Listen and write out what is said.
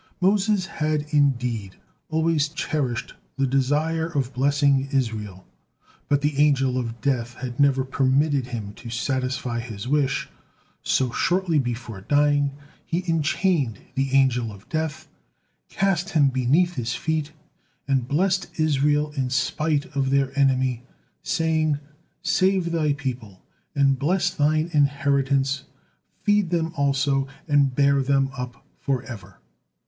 Moses had indeed always cherished the desire of blessing Israel, but the Angel of Death had never permitted him to satisfy his wish, so shortly before dying, he enchained the Angel of Death, cast him beneath his feet, and blessed Israel in spite of their enemy, saying, "Save Thy people, and bless Thine inheritance: feed them also, and bear them up for ever."